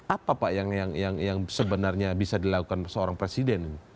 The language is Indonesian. apa pak yang sebenarnya bisa dilakukan seorang presiden